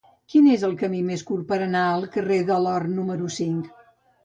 Quin és el camí més curt per anar al carrer de l'Or número cinc?